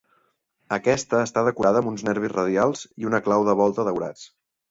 Aquesta està decorada amb uns nervis radials i una clau de volta daurats.